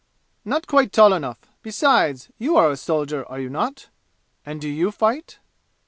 "Not quite tall enough. Besides you are a soldier, are you not? And do you fight?"